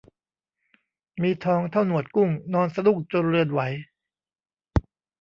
มีทองเท่าหนวดกุ้ง นอนสะดุ้งจนเรือนไหว